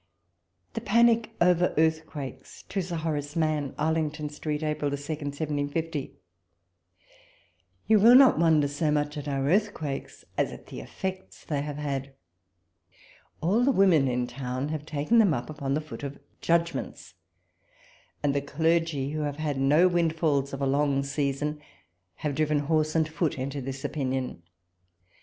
CJ walpole's letters. JUL I'AMC OVEIl EAIiTHQIAEES. To Sir Horace Mann. Arlington Street, April 2, 1750. You will not wonder so much at our earth quakes as at the effects they have had. All the women in town have taken them up upon the foot oi Jvcbiments ; and the clergy, who have had no windfalls of a long season, have driven horse and foot into this opinion.